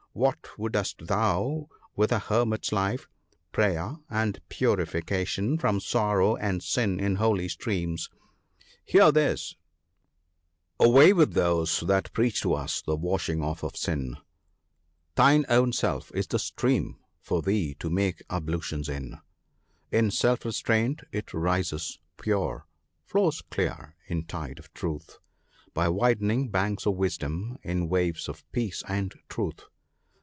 What wouldst thou with a hermit's life — prayer, and purification from sorrow and sin in holy streams ? Hear this !— 44 Away with those that preach to us the washing off of sin — Thine own self is the stream for thee to make ablutions in : In self restraint it rises pure — flows clear in tide of truth, By widening banks of wisdom, in waves of peace and ruth.